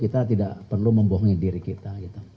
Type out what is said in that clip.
kita tidak perlu membohongi diri kita